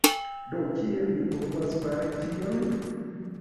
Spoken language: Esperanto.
Do kiel mi povas fari tion?